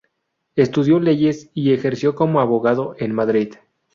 Estudió leyes y ejerció como abogado en Madrid.